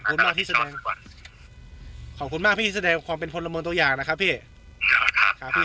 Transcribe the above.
โอเคครับพี่ขอบคุณมากที่แสดงความเป็นพนลมมือตัวอย่างนะครับพี่